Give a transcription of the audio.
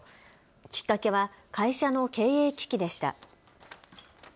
きっかけは会社の経営危機でした。